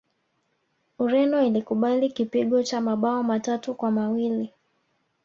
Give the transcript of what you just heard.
ureno ilikubali kipigo cha mabao matatu kwa mawili